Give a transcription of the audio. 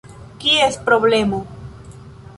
Kies problemo?